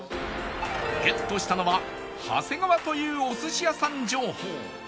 ゲットしたのはハセガワというお寿司屋さん情報